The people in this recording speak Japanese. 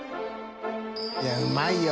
いうまいよ！